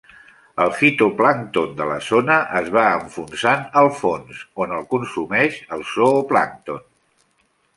El fitoplàncton de la zona es va enfonsant al fons on el consumeix el zooplàncton.